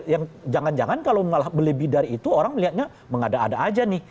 yang jangan jangan kalau melebih dari itu orang melihatnya mengada ada aja nih